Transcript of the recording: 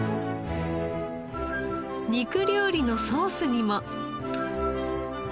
肉料理のソースにも。